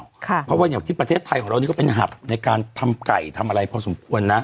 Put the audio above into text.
เพราะว่าอย่างที่ประเทศไทยของเรานี่ก็เป็นหับในการทำไก่ทำอะไรพอสมควรนะ